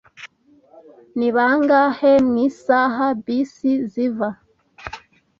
Ni bangahe mu isaha bisi ziva?